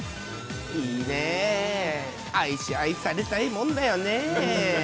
いいね、愛し愛されたいもんだよね。